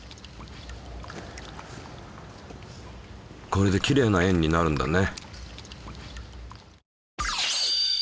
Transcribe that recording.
これできれいな円になるんだね。